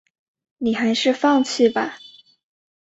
你还是放弃吧